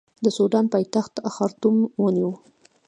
د سوډان پایتخت خرطوم ونیو.